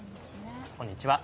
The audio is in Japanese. こんにちは。